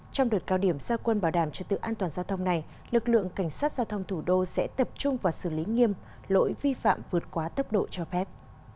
trong đợt cao điểm gia quân bảo đảm trật tự an toàn giao thông này lực lượng cảnh sát giao thông thủ đô sẽ tập trung và xử lý nghiêm lỗi vi phạm vượt quá tốc độ cho phép